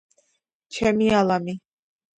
ჩემი ალამი...